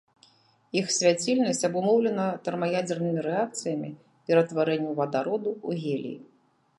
Іх свяцільнасць абумоўлена тэрмаядзернымі рэакцыямі ператварэння вадароду ў гелій.